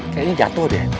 kayaknya ini jatuh deh